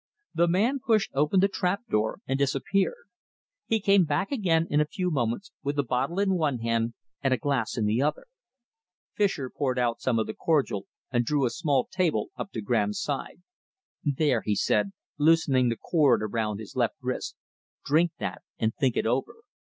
The man pushed open the trap door and disappeared. He came back again in a few moments, with a bottle in one hand and a glass in the other. Fischer poured out some of the cordial and drew a small table up to Graham's side. "There," he said, loosening the cord around his left wrist, "drink that, and think it over.